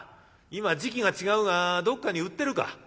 今時期が違うがどっかに売ってるか？」。